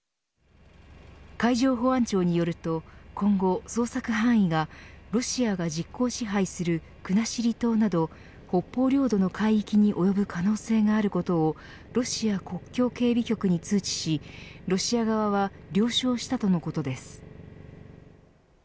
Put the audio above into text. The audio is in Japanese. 海上保安庁によると今後、捜索範囲がロシアが実効支配する国後島など北方領土の海域に及ぶ可能性があることをロシア国境整備局に通知しロシア側は了承したとのことです。